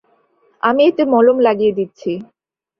আমি এতে মলম লাগিয়ে দিচ্ছি।